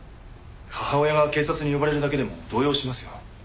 母親が警察に呼ばれるだけでも動揺しますよ。